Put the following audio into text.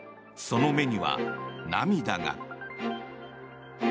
その目には涙が。